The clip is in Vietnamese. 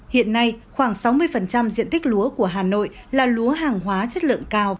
hiện nay khoảng sáu mươi diện tích lúa của hà nội là lúa hàng hóa chất lượng cao